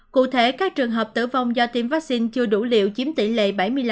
cụ thể các trường hợp tử vong do tiêm vaccine chưa đủ liều chiếm tỷ lệ bảy mươi năm